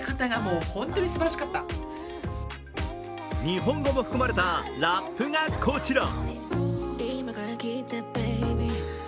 日本語も含まれたラップがこちら。